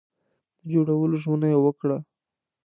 د جوړولو ژمنه یې وکړه.